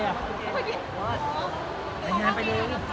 เอาเรื่องต่อไป